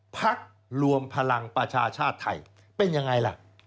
พักรวมพลังประชาชาติไทยเป็นยังไงล่ะ